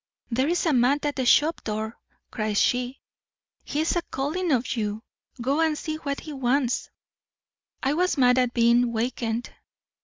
'There's a man at the shop door,' cries she. 'He's a calling of you; go and see what he wants.' I was mad at being wakened.